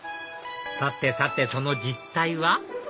さてさてその実態は？